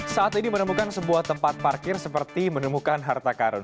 saat ini menemukan sebuah tempat parkir seperti menemukan harta karun